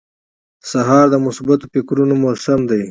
سهار د مثبتو فکرونو موسم دی.